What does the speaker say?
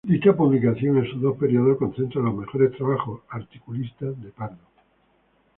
Dicha publicación, en sus dos periodos, concentra los mejores trabajos articulistas de Pardo.